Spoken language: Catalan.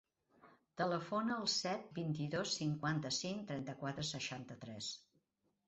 Telefona al set, vint-i-dos, cinquanta-cinc, trenta-quatre, seixanta-tres.